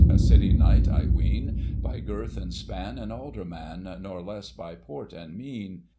A City Knight, I ween ; By girth and span an alderman, nor less by port and mien.